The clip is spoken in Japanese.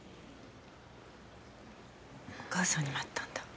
お母さんにも会ったんだ？